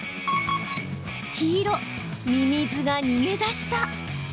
黄色・ミミズが逃げ出した。